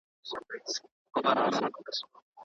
سوسیالیزم د فردي وړتیا مخه نیسي.